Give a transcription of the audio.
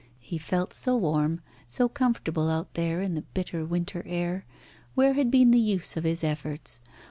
He felt so warm, so comfortable out there in the bitter winter air. Where had been the use of his efforts?